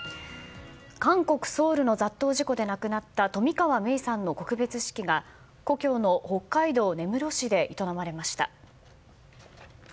韓国ソウルの雑踏事故で亡くなった冨川芽生さんの告別式が故郷の北海道根室市で営まれました。